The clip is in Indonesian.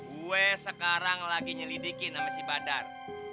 gue sekarang lagi nyelidiki nama si badar